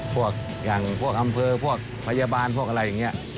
พวกอย่างพวกอำเภอพวกพยาบาลพวกอะไรอย่างนี้